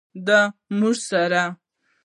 د وږمو سره